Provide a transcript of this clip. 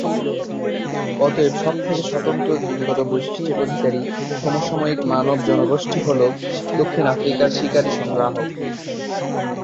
অতএব সবথেকে স্বতন্ত্র জিনগত বৈশিষ্ট্যের অধিকারী সমসাময়িক মানব জনগোষ্ঠী হল দক্ষিণ আফ্রিকার শিকারী-সংগ্রাহক।